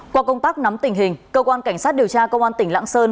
qua công tác nắm tình hình cơ quan cảnh sát điều tra cơ quan tỉnh lãng sơn